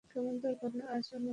কিন্তু এ কেমনতরো ভাবনা আজ ওর মনে!